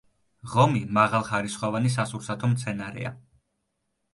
ღომი მაღალხარისხოვანი სასურსათო მცენარეა.